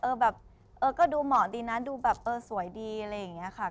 แบบเออก็ดูเหมาะดีนะดูแบบเออสวยดีอะไรอย่างนี้ค่ะ